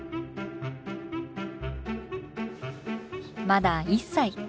まだ１歳。